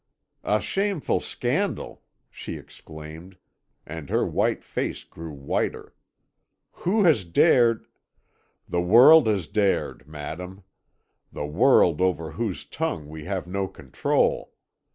"'A shameful scandal!' she exclaimed, and her white face grew whiter. 'Who has dared ' "'The world has dared, madam, the world over whose tongue we have no control.